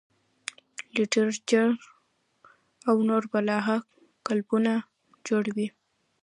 لټرېچر او نور بلها کلبونه جوړ وي -